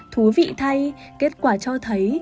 thú vị thay kết quả cho thấy